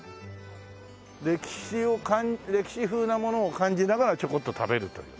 歴史を歴史風なものを感じながらちょこっと食べるという。